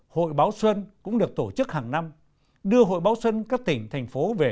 hội báo xuân cũng được tổ chức hàng năm đưa hội báo xuân các tỉnh thành phố về